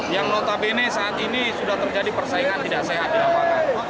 yang notabene saat ini sudah terjadi persaingan tidak sehat di lapangan